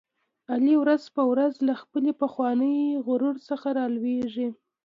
علي ورځ په ورځ له خپل پخواني غرور څخه را کوزېږي.